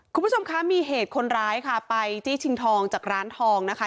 คุณผู้ชมคะมีเหตุคนร้ายค่ะไปจี้ชิงทองจากร้านทองนะคะ